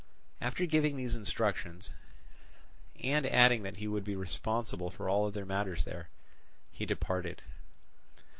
After giving these instructions, and adding that he would be responsible for all other matters there, he departed.